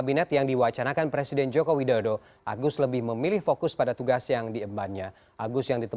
tentang resafel sedikit